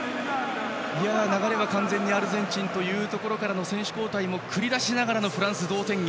流れは完全にアルゼンチンというところからの選手交代も繰り出しながらのフランスの同点劇。